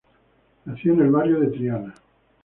Nació en el barrio de Triana.